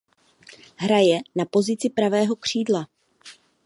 Hraje na pozici pravého křídla.